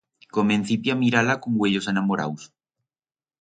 Comencipia a mirar-la con uellos enamoraus.